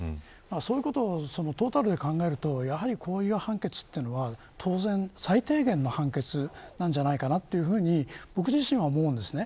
そういうことをトータルで考えるとやはり、こういう判決というのは最低限の判決なんじゃないかなと僕自身は思うんですね。